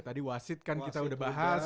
tadi wasit kan kita sudah bahas